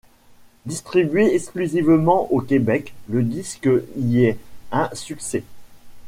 Distribué exclusivement au Québec, le disque y est un succès.